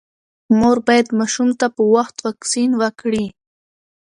مور باید ماشوم ته په وخت واکسین وکړي۔